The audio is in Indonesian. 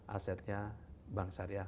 asetnya bank syariah